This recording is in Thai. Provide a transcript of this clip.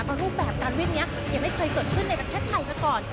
เพราะรูปแบบการวิ่งนี้ยังไม่เคยเกิดขึ้นในประเทศไทยมาก่อน